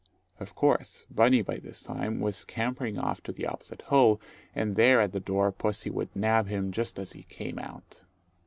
Of course, Bunny by this time was scampering off to the opposite hole, and there at the door pussy would nab him just as he came out.